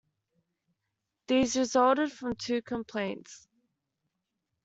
These resulted from two complaints.